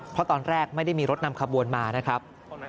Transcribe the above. เพราะตอนแรกไม่ได้มีรถนำขบวนมานะครับ